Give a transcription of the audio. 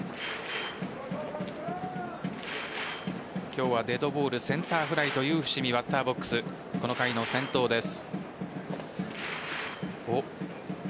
今日はデッドボールセンターフライという伏見、バッターボックスこの回の先頭です。